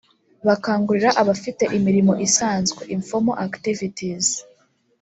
bakangurira abafite imirimo isanzwe (informal activities)